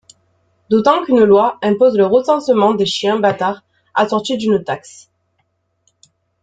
D'autant qu'une loi impose le recensement des chiens bâtards assorti d'une taxe.